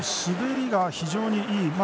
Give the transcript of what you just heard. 滑りが非常にいい。